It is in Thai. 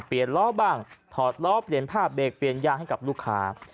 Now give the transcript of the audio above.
ล้อบ้างถอดล้อเปลี่ยนภาพเบรกเปลี่ยนยางให้กับลูกค้า